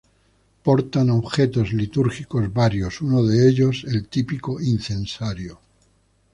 Portan objetos litúrgicos varios, uno de ellos el típico incensario.